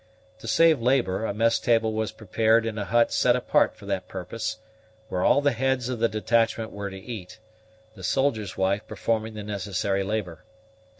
To save labor, a mess table was prepared in a hut set apart for that purpose, where all the heads of the detachment were to eat, the soldier's wife performing the necessary labor.